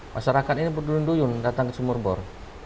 masyarakat ini berduyun duyun datang ke sumur bor